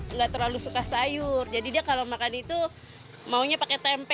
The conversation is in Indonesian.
nggak terlalu suka sayur jadi dia kalau makan itu maunya pakai tempe